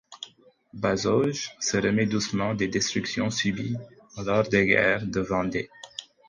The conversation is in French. Bazoges se remet doucement des destructions subies lors des guerres de Vendée.